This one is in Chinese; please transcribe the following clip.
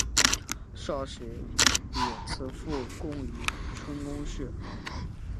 少时以辞赋贡于春官氏。